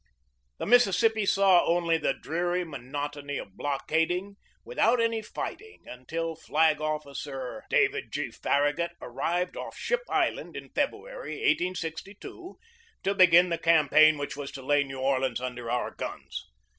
The Mississippi saw only the dreary monotony of blockading without any fighting until Flag Officer BEGINNING OF THE CIVIL WAR 49 David G. Farragut arrived off Ship Island in Feb ruary, 1862, to begin the campaign which was to lay New Orleans under our guns.